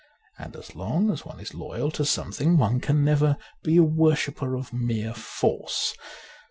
And as long as one is loyal to something one can never be a worshipper of mere force.